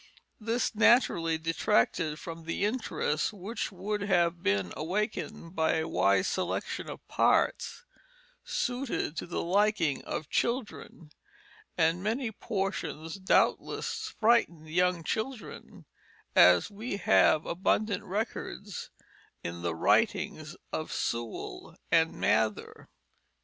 This naturally detracted from the interest which would have been awakened by a wise selection of parts suited to the liking of children; and many portions doubtless frightened young children, as we have abundant record in the writings of Sewall and Mather.